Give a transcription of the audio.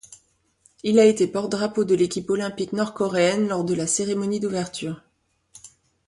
Il a été porte-drapeau de l'équipe olympique nord-coréenne lors de la cérémonie d'ouverture.